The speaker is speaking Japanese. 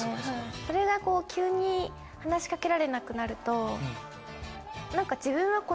それが急に話し掛けられなくなると何か。